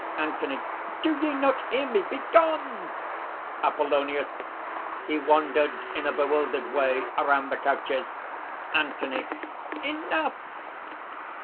ANTHONY. "Do ye not hear me? Begone!" APOLLONIUS. "He wandered in a bewildered way around the couches ..." ANTHONY. "Enough!"